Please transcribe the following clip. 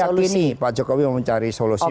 kami meyakini pak jokowi mencari solusi